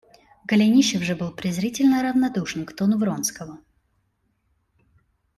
Голенищев же был презрительно равнодушен к тону Вронского.